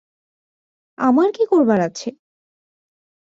আমার কী করবার আছে?